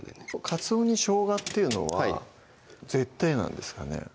かつおにしょうがっていうのは絶対なんですかね？